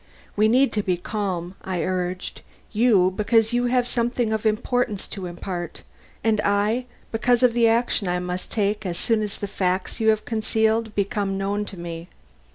"We need to be calm," I urged. "You, because you have something of importance to impart, and I, because of the action I must take as soon as the facts you have concealed become known to me.